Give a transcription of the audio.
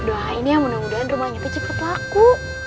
doain ya mudah mudahan rumahnya tuh cepet laku